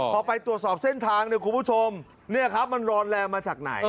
พอไปตัวสอบเส้นทางคุณผู้ชมมันรอแลมาจากไหน